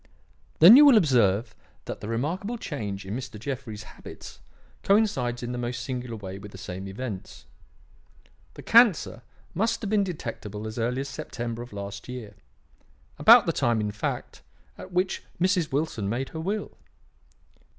"Then you will observe that the remarkable change in Mr. Jeffrey's habits coincides in the most singular way with the same events. The cancer must have been detectable as early as September of last year; about the time, in fact, at which Mrs. Wilson made her will.